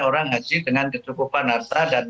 orang haji dengan kecukupan harta dan